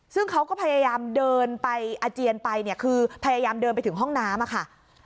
ซึ่งเขาก็พยายามเดินไปอาเจียนไปเนี่ยคือพยายามเดินไปถึงห้องน้ำค่ะ